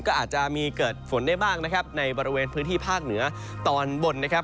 ก็อาจจะมีเกิดฝนได้บ้างนะครับในบริเวณพื้นที่ภาคเหนือตอนบนนะครับ